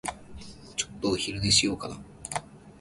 ちょっとお昼寝しようかな。